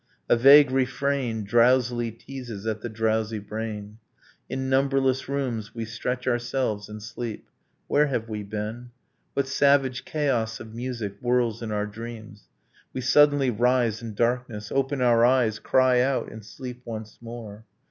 A vague refrain Drowsily teases at the drowsy brain. In numberless rooms we stretch ourselves and sleep. Where have we been? What savage chaos of music Whirls in our dreams? We suddenly rise in darkness, Open our eyes, cry out, and sleep once more.